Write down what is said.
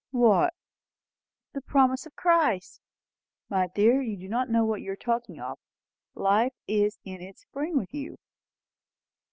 "What?" "The promise of Christ." "My dear, you do not know what you are talking of. Life is in its spring with you."